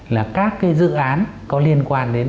là các cái dự án có liên quan đến